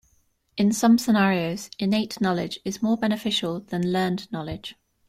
In some scenarios, innate knowledge is more beneficial than learned knowledge.